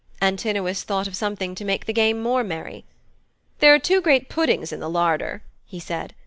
Antinous thought of something to make the game more merry. 'There are two great puddings in the larder,' he said.